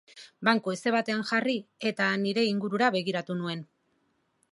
Banku heze batean jarri eta nire ingurura begiratu nuen.